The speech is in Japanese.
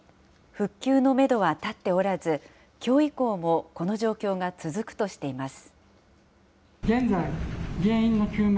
復旧のメドは立っておらず、きょう以降もこの状況が続くとしています。